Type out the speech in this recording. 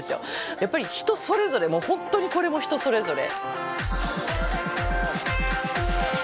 やっぱり人それぞれ本当にこれも人それぞれ。